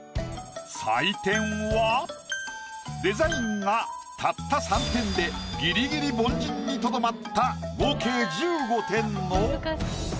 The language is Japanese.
採点はデザインがたった３点でギリギリ凡人にとどまった合計１５点の。